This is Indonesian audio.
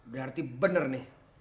berarti bener nih